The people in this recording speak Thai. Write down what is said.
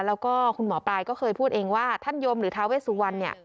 แล้วก็คุณหมอปลายก็เคยพูดเองว่าท่านยมหรือทาเวสุวรรณเนี่ย